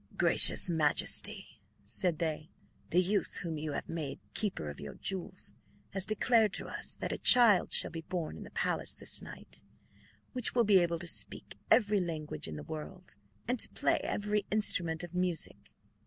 "Gracious Majesty," said they, "the youth whom you have made keeper of your jewels has declared to us that a child shall be born in the palace this night, which will be able to speak every language in the world and to play every instrument of music.